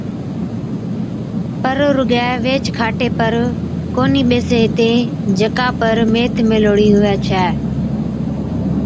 پر رُگِي ويهچ کاٽي پر ڪونھِي ٻيسين ھِتين جڪا ميٿ ميھلوڙِي ھُوَي ڇَي